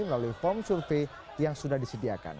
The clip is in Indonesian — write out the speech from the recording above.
melalui form survei yang sudah disediakan